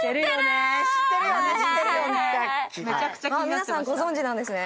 皆さんご存じなんですね。